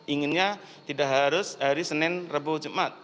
inginnya tidak harus hari senin rebuh jumat